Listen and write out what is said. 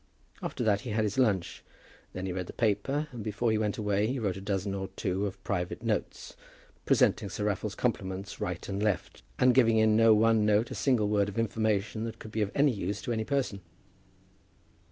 After that he had his lunch. Then he read the paper, and before he went away he wrote a dozen or two of private notes, presenting Sir Raffle's compliments right and left, and giving in no one note a single word of information that could be of any use to any person.